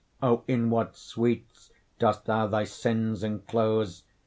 O! in what sweets dost thou thy sins enclose.